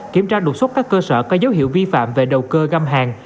kiểm tra đột xuất các cơ sở có dấu hiệu vi phạm về đầu cơ găm hàng